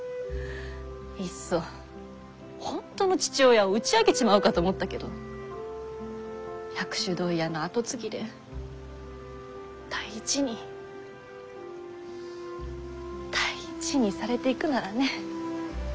いっそ本当の父親を打ち明けちまおうかと思ったけど薬種問屋の跡継ぎで大事に大事にされていくならね。